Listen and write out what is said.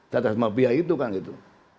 atas mafia itu kan gitu